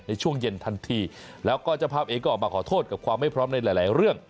ในช่วงเย็นทันทีแล้วก็เจ้าภาพเองก็ออกมาขอโทษกับความไม่พร้อมในหลายเรื่อง